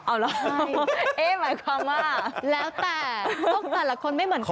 เอ๊ยหมายความว่า